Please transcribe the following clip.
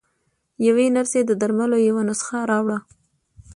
يوې نرسې د درملو يوه نسخه راوړه.